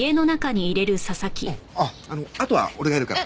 うんあっあのあとは俺がやるから。